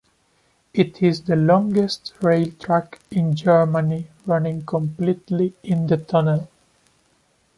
It is the longest rail track in Germany running completely in the tunnel.